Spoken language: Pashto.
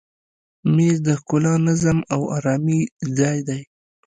مېز د ښکلا، نظم او آرامي ځای دی.